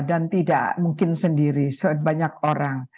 dan tidak mungkin sendiri banyak orang